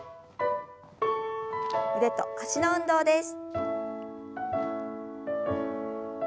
腕と脚の運動です。